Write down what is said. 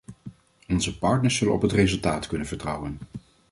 Onze partners zullen op het resultaat kunnen vertrouwen.